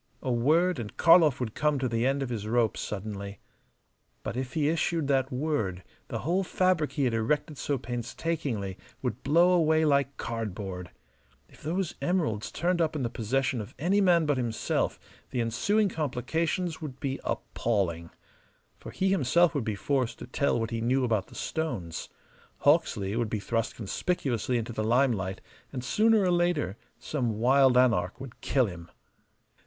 A word, and Karlov would come to the end of his rope suddenly. But if he issued that word the whole fabric he had erected so painstakingly would blow away like cardboard. If those emeralds turned up in the possession of any man but himself the ensuing complications would be appalling. For he himself would be forced to tell what he knew about the stones: Hawksley would be thrust conspicuously into the limelight, and sooner or later some wild anarch would kill him.